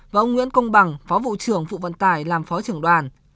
và ông nguyễn công bằng phó vụ trưởng vụ vận tải làm phó trưởng đoàn